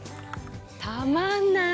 たまんない！